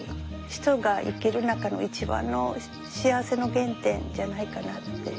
人が生きる中の一番の幸せの原点じゃないかなって。